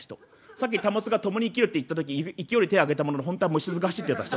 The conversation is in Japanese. さっきたもつが『共に生きる』って言った時勢いで手挙げたものの本当は虫ずが走ってた人。